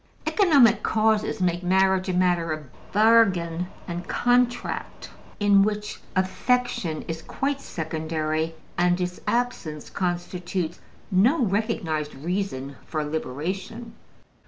Economic causes make marriage a matter of bargain and contract, in which affection is quite secondary, and its absence constitutes no recognized reason for liberation.